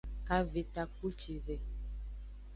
Kave takpucive.